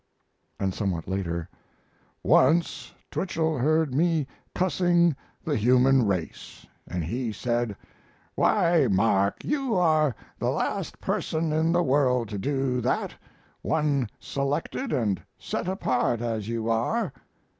And somewhat later: "Once Twichell heard me cussing the human race, and he said, 'Why, Mark, you are the last person in the world to do that one selected and set apart as you are.'